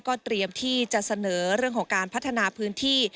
เตรียมที่จะเสนอเรื่องของการพัฒนาพื้นที่